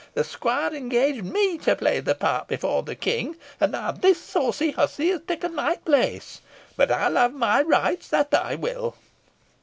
The squire engaged me to play the part before the King, and now this saucy hussy has taken my place. But I'll have my rights, that I will."